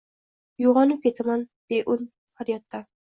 Uyg‘onib ketaman, beun faryoddan.